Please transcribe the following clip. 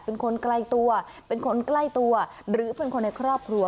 เป็นคนใกล้ตัวเป็นคนใกล้ตัวหรือเป็นคนในครอบครัว